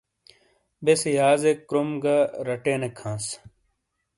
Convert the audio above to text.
بیئسے یازیک کروم گا رٹینیک ہانس۔